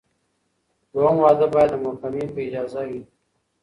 دویم واده باید د محکمې په اجازه وي.